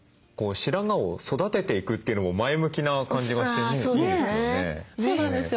白髪を育てていくというのも前向きな感じがしてねいいですよね。